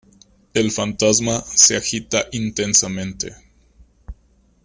El Fantasma se agita intensamente.